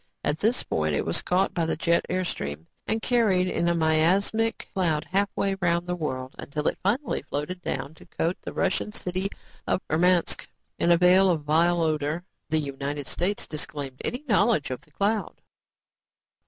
At this point, it was caught by a jet air stream and carried in a miasmic cloud halfway around the world until it finally floated down to coat the Russian city of Urmsk in a veil of vile odor. The United States disclaimed any knowledge of the cloud.